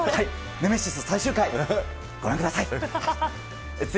ネメシス最終回、ご覧ください。